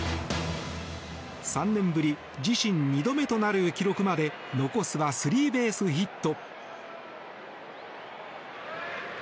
３年ぶり、自身２度目となる記録まで残すはスリーベースヒット。